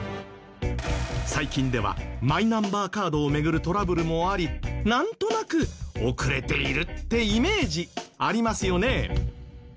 最近ではマイナンバーカードを巡るトラブルもありなんとなく遅れているってイメージありますよね。